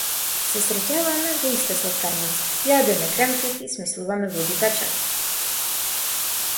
Се среќаваме во иста слаткарница, јадеме кремпити и смислуваме луди печати.